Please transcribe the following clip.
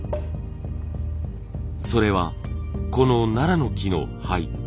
それはこのナラの木の灰。